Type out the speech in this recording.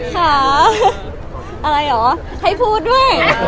ค่ะอะไรเหรอให้พูดด้วย